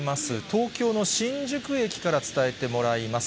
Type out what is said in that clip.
東京の新宿駅から伝えてもらいます。